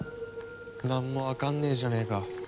なんもわかんねえじゃねえか。